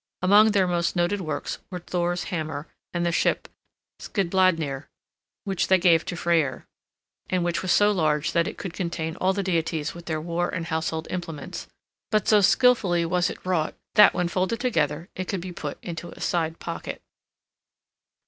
Among their most noted works were Thor's hammer, and the ship "Skidbladnir," which they gave to Freyr, and which was so large that it could contain all the deities with their war and household implements, but so skillfully was it wrought that when folded together it could be put into a side pocket.